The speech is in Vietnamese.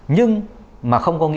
nhưng mà không có khẩn cấp